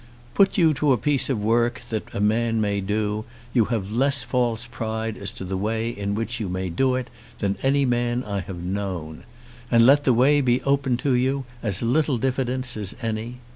Put you to a piece of work that a man may do, you have less false pride as to the way in which you may do it than any man I have known; and, let the way be open to you, as little diffidence as any.